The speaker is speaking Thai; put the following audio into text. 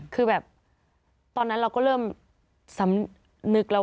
คือแบบตอนนั้นเราก็เริ่มสำนึกแล้ว